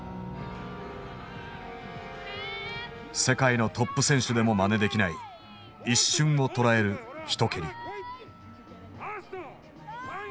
世界のトップ選手でもまねできない一瞬をとらえる一蹴り。